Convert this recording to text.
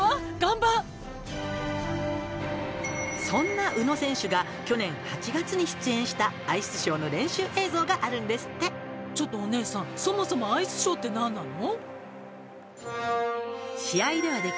そんな宇野選手が去年８月に出演したアイスショーの練習映像があるんですってちょっとお姉さんそもそもアイスショーって何なの？